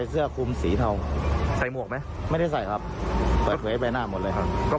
เสื้อคุมสีเทาใส่หมวกไหมไม่ได้ใส่ครับเปิดเผยใบหน้าหมดเลยครับ